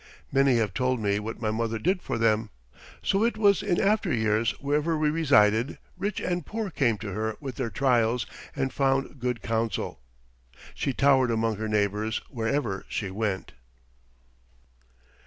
Many have told me what my mother did for them. So it was in after years wherever we resided; rich and poor came to her with their trials and found good counsel. She towered among her neighbors wherever she went.